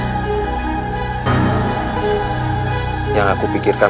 kau tidak senang bala pati pikirkan